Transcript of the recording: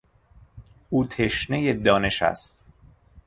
او تشنهی دانش است.